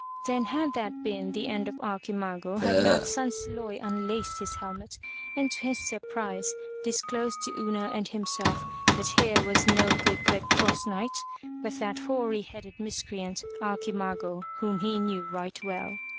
Then had 30 FROM THE TOWER WINDOW that been the end of Archimago had not Sansloy unlaced his helmet and to his surprise disclosed to Una and himself that here was no good Red Cross Knight, but that hoary headed miscreant, Archimago, whom he knew right well.